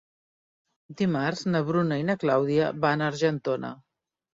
Dimarts na Bruna i na Clàudia van a Argentona.